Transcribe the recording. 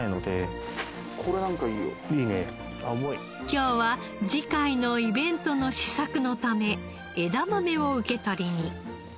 今日は次回のイベントの試作のため枝豆を受け取りに。